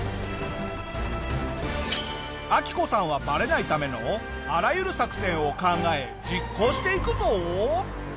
アキコさんはバレないためのあらゆる作戦を考え実行していくぞ！